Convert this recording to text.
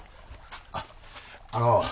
あっあの。